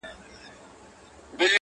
له احتیاجه چي سي خلاص بادار د قام وي،،!